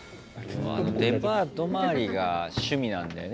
デパートまわりが趣味なんだよね